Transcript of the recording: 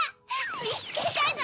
みつけたぞ！